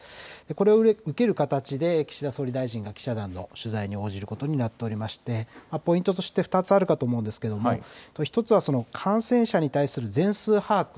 これを受ける形で岸田総理大臣が記者団の取材に応じることになっておりましてポイントとして２つあるかと思うんですけれども１つはその感染者に対する全数把握